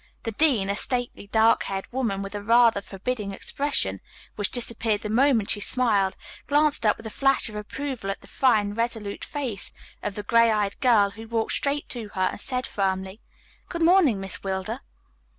The dean, a stately, dark haired woman with a rather forbidding expression, which disappeared the moment she smiled, glanced up with a flash of approval at the fine, resolute face of the gray eyed girl who walked straight to her and said firmly, "Good morning, Miss Wilder."